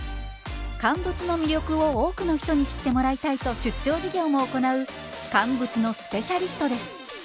乾物の魅力を多くの人に知ってもらいたいと出張授業も行う乾物のスペシャリストです。